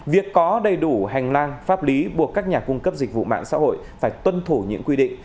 việc có đầy đủ hành lang pháp lý buộc các nhà cung cấp dịch vụ mạng xã hội phải tuân thủ những quy định